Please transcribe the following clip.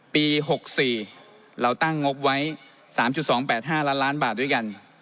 ปี๖๔เราตั้งงบไว้๓๒๘๕ล้านล้านบาทด้วยกัน